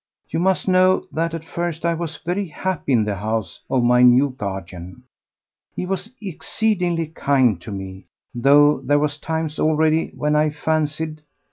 "You must know that at first I was very happy in the house of my new guardian. He was exceedingly kind to me, though there were times already when I fancied